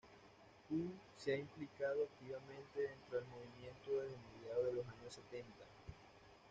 Ku se ha implicado activamente dentro del movimiento desde mediados de los años setenta.